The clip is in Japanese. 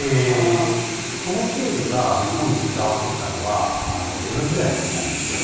このケールが日本に伝わってきたのは江戸時代なんですよね。